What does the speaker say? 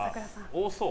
多そう。